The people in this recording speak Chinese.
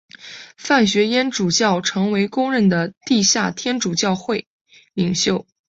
范学淹主教成为公认的地下天主教会领袖。